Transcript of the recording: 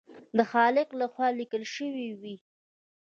د خالق لخوا لیکل شوي وي.